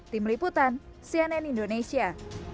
tim liputan cnn indonesia